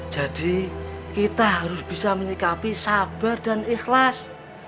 jadi kita harus bisa menyikapi sabar dan ikhlas